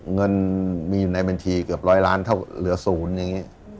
เงินมีอยู่ในเบินทีเกือบร้อยล้านเหลือศูนย์อย่างนี้